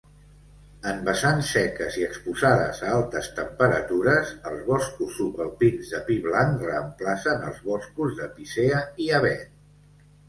En vessants seques i exposades a altes temperatures, els boscos subalpins de pi blanc reemplacen els boscos de pícea i avet.